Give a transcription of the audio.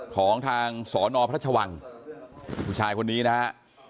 ของทางสนพระชวังผู้ชายคนนี้นะฮะ